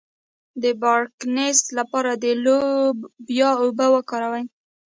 د پارکینسن لپاره د لوبیا اوبه وکاروئ